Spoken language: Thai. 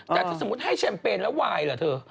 แต่ถ้าสมมุติจะให้แชมเปญแล้วไวน์หรือเถอะ